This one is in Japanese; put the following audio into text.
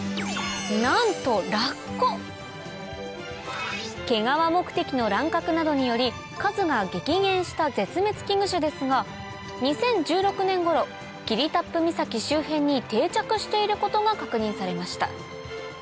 なんと毛皮目的の乱獲などにより数が激減した絶滅危惧種ですが２０１６年頃霧多布岬周辺に定着していることが確認されました